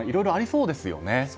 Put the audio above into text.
そうですね。